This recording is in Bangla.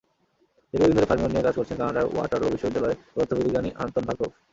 দীর্ঘদিন ধরে ফার্মিয়ন নিয়ে কাজ করছেন কানাডার ওয়াটারলু বিশ্ববিদ্যালয়ের পদার্থবিজ্ঞানী আন্তন ভার্খব।